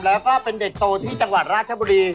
แล้วก็เป็นเด็กโตที่จังหวัดราชบุรี